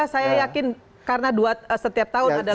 dua ribu sembilan belas saya yakin karena setiap tahun adalah